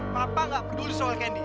papa gak peduli soal candy